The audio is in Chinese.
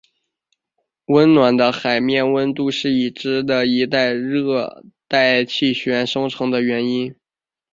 温暖的海面温度是已知的一类热带气旋生成原因。